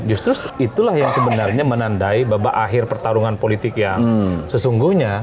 justru itulah yang sebenarnya menandai babak akhir pertarungan politik yang sesungguhnya